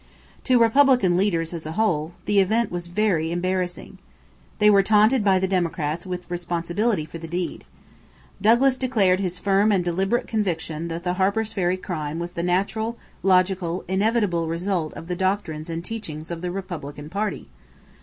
To Republican leaders as a whole, the event was very embarrassing. They were taunted by the Democrats with responsibility for the deed. Douglas declared his "firm and deliberate conviction that the Harper's Ferry crime was the natural, logical, inevitable result of the doctrines and teachings of the Republican party."